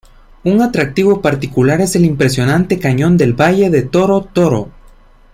Un atractivo particular es el impresionante Cañón del Valle de Toro Toro.